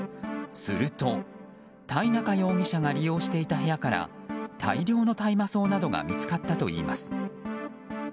すると、田井中容疑者が利用していた部屋から大量の大麻草などが見つかったといいます。